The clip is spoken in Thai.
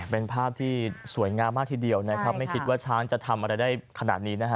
เป็นภาพที่สวยงามมากทีเดียวนะครับไม่คิดว่าช้างจะทำอะไรได้ขนาดนี้นะฮะ